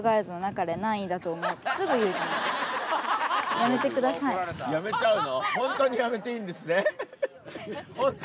やめちゃうの？